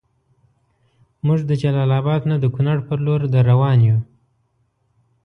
مونږ د جلال اباد نه د کونړ پر لور دروان یو